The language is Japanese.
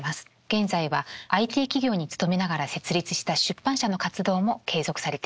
現在はＩＴ企業に勤めながら設立した出版社の活動も継続されています。